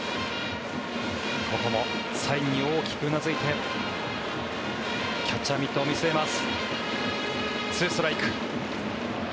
ここもサインに大きくうなずいてキャッチャーミットを見据えます。